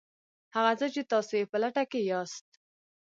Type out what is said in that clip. هغه څه چې تاسې یې په لټه کې یاست